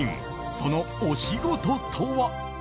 そのお仕事とは？